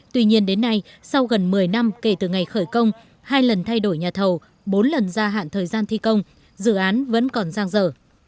tuy nhiên đến nay sau gần một mươi năm kể từ ngày khởi công hai lần thay đổi nhà thầu bốn lần gia hạn thời gian thi công dự án vẫn còn giang dở